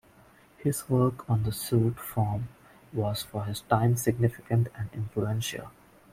His work on the suite form was for his time significant and influential.